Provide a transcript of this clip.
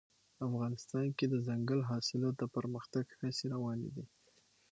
افغانستان کې د دځنګل حاصلات د پرمختګ هڅې روانې دي.